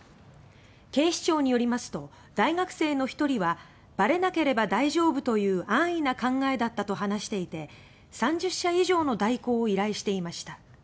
警視庁によりますと大学生の１人は「ばれなければ大丈夫という安易な考えだった」と話していて３０社以上の代行を依頼していました。